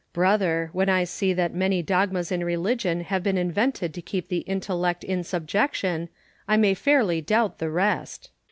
Brother, when I see that many dogmas in religion have been invented to keep the intellect in subjection, I may fairly doubt the rest.